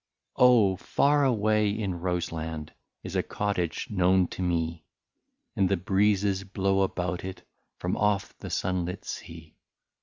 Oh ! far away in Roseland Is a cottage known to me, And the breezes blow about it, From off the sunlit sea.